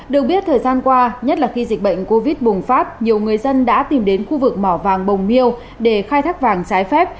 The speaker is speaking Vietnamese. do bệnh covid bùng phát nhiều người dân đã tìm đến khu vực mỏ vàng bồng miêu để khai thác vàng trái phép